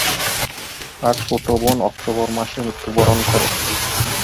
তার ছোট বোন অক্টোবর মাসে মৃত্যুবরণ করে।